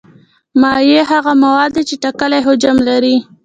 مایع هغه مواد دي چې ټاکلی حجم لري.